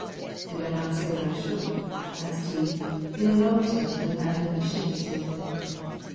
"Did not I say that I should?" asked he, in a lower tone than that in which he had spoken.